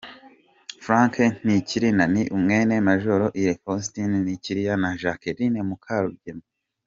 Frank Ntilikina ni mwene Major Ir Faustin Ntilikina na Jacqueline Mukarugema.